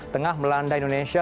tengah melanda indonesia